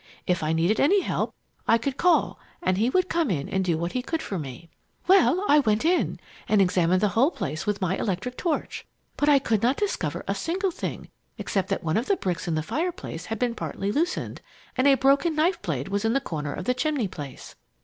If I needed any help, I could call and he would come in and do what he could for me. "Well, I went in and examined the whole place with my electric torch, but I could not discover a single thing except that one of the bricks in the fireplace had been partly loosened and a broken knife blade was in the corner of the chimney place.